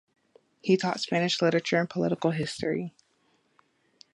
He taught Spanish literature and Political History.